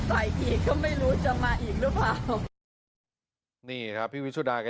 อีกก็ไม่รู้จะมาอีกหรือเปล่านี่ครับพี่วิชุดาก็